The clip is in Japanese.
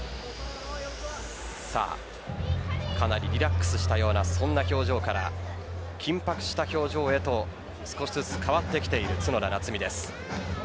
かなりリラックスしたようなそんな表情から緊迫した表情へと少しずつ変わってきている角田夏実です。